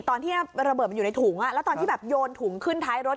ตอนที่ระเบิดมันอยู่ในถุงแล้วตอนที่แบบโยนถุงขึ้นท้ายรถ